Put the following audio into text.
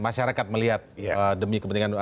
masyarakat melihat demi kepentingan